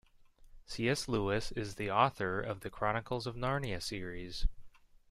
C.S. Lewis is the author of The Chronicles of Narnia series.